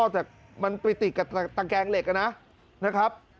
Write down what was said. แต่มันไปติดกับตะแกงเหล็กนะครับ